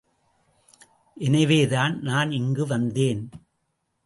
எனவேதான், நான் இங்கு வந்தேன்.